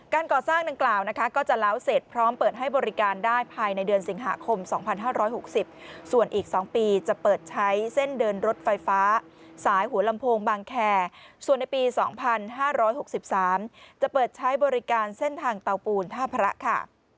ก่อสร้างดังกล่าวนะคะก็จะแล้วเสร็จพร้อมเปิดให้บริการได้ภายในเดือนสิงหาคม๒๕๖๐ส่วนอีก๒ปีจะเปิดใช้เส้นเดินรถไฟฟ้าสายหัวลำโพงบางแคร์ส่วนในปี๒๕๖๓จะเปิดใช้บริการเส้นทางเตาปูนท่าพระค่ะ